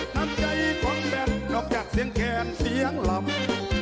น้ำใจคนแบนนอกจากเสียงแขนเสียงลำ